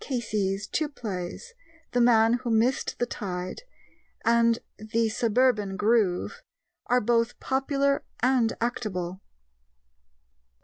Casey's two plays The Man Who Missed the Tide and The Suburban Groove are both popular and actable.